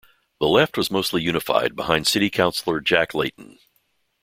The left was mostly unified behind city councillor Jack Layton.